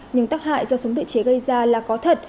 những tác hại do súng tự chế gây ra là có thể